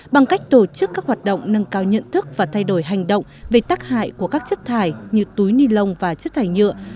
bằng cách tổ chức các hoạt động nâng cao nhận thức và thay đổi hành động về tác hại của các chất thải như túi ni lông và chất thải nhựa